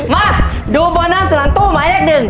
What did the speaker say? มาดูโบนัสหลังตู้หมายเลข๑